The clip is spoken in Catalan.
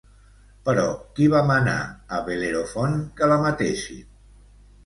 Però qui va manar a Bel·lerofont que la matessin?